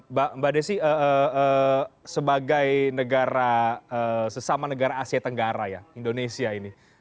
mbak desi sebagai negara sesama negara asia tenggara ya indonesia ini